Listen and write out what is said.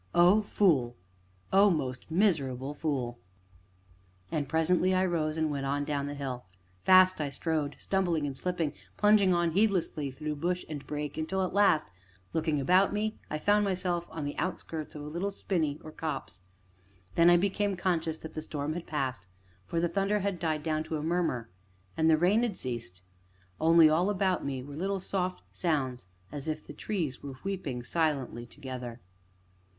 O Fool! O most miserable Fool!" And presently I rose, and went on down the hill. Fast I strode, stumbling and slipping, plunging on heedlessly through bush and brake until at last, looking about me, I found myself on the outskirts of a little spinney or copse; and then I became conscious that the storm had passed, for the thunder had died down to a murmur, and the rain had ceased; only all about me were little soft sounds, as if the trees were weeping silently together.